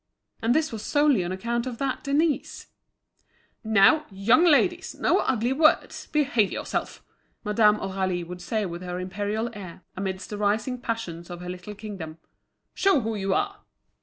And this was solely on account of that Denise! "Now, young ladies, no ugly words; behave yourselves!" Madame Aurélie would say with her imperial air, amidst the rising passions of her little kingdom. "Show who you are."